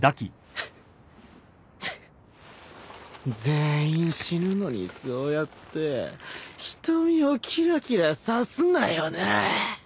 全員死ぬのにそうやって瞳をキラキラさすなよなぁあ。